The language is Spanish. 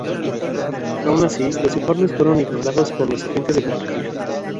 Aun así, los informes fueron ignorados por los agentes de Compañía.